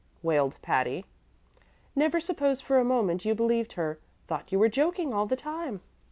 wailed Patty. "Never supposed for a moment you believed her. Thought you were joking all the time."